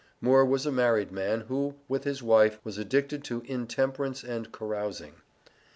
Moore was a married man, who, with his wife, was addicted to intemperance and carousing.